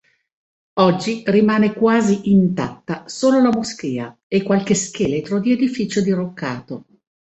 Oggi rimane quasi intatta solo la moschea e qualche scheletro di edificio diroccato.